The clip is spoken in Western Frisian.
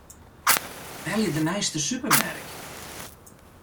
Belje de neiste supermerk.